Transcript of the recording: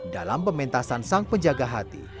dalam pementasan sang penjaga hati